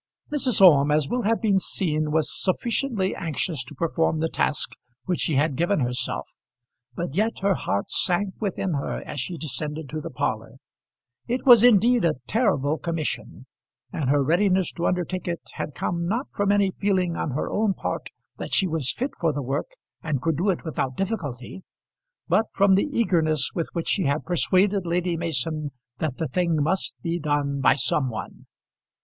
Mrs. Orme, as will have been seen, was sufficiently anxious to perform the task which she had given herself, but yet her heart sank within her as she descended to the parlour. It was indeed a terrible commission, and her readiness to undertake it had come not from any feeling on her own part that she was fit for the work and could do it without difficulty, but from the eagerness with which she had persuaded Lady Mason that the thing must be done by some one.